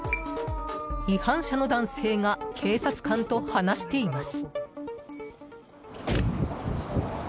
違反者の男性が警察官と話しています。